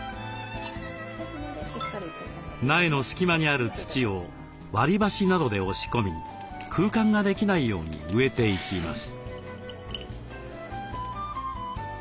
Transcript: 苗の隙間にある土を割りばしなどで押し込み空間ができないように植えていきます。